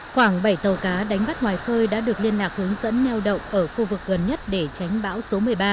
khoảng bảy tàu cá đánh bắt ngoài khơi đã được liên lạc hướng dẫn neo đậu ở khu vực gần nhất để tránh bão số một mươi ba